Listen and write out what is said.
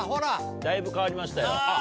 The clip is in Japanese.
だいぶ変わりましたよ。